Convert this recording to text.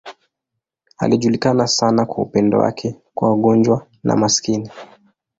Alijulikana sana kwa upendo wake kwa wagonjwa na maskini.